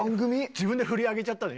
自分で振りを上げちゃったよね